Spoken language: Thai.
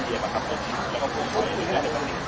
สำคัญครับสุดมันก็ได้อย่างนี้ครับ